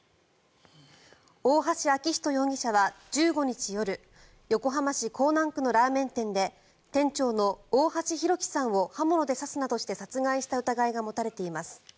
大橋昭仁容疑者は１５日夜横浜市港南区のラーメン店で店長の大橋弘輝さんを刃物で刺すなどして殺害した疑いが持たれています。